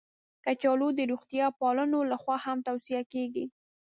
کچالو د روغتیا پالانو لخوا هم توصیه کېږي